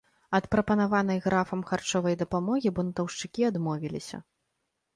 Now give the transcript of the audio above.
Ад прапанаванай графам харчовай дапамогі бунтаўшчыкі адмовіліся.